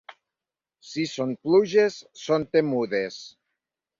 Si són pluges són temudes.